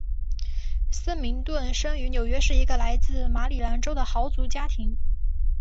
森明顿生于纽约市一个来自于马里兰州的豪族家庭。